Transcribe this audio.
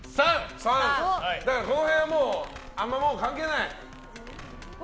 この辺はもうあんまり関係ない。